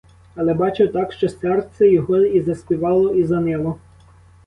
Але бачив так, що серце його і заспівало, і занило.